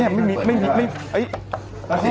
มันไปไม่ได้ทำไม